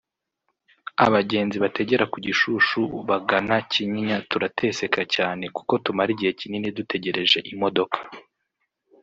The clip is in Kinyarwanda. “Abagenzi bategera ku Gishushu bagana Kinyiya turateseka cyane kuko tumara igihe kinini dutegereje imodoka